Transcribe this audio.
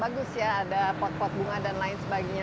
bagus ya ada pot pot bunga dan lain sebagainya